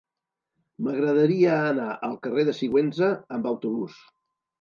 M'agradaria anar al carrer de Sigüenza amb autobús.